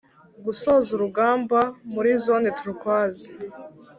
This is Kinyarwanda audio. gusoza urugamba muri Zone Turquoise.